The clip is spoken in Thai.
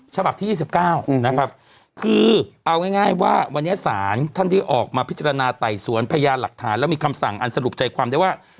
ฉบักที่ยี่สิบเก้าอืมนะครับคือเอาง่ายง่ายว่าวันนี้สารท่านที่ออกมาพิจารณาไต่สวนพญาหลักฐานแล้วมีคำสั่งอันสรุปใจความได้ว่า